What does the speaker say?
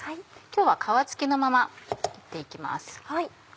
今日は皮付きのまま切って行きます。